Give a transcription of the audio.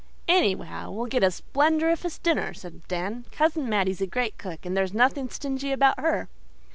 "Anyhow, we'll get a splendiferous dinner," said Dan. "Cousin Mattie's a great cook and there's nothing stingy about her."